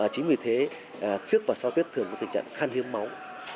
chính vì thế trước và sau tết thường có tình trạng khan hiến máu